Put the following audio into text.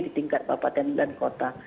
di tingkat kabupaten dan kota